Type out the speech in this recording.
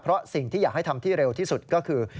เพราะสิ่งที่อยากให้ทำที่เร็วที่สุดก็คือ